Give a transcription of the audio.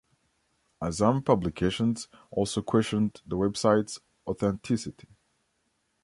Azzam Publications also questioned the website's authenticity.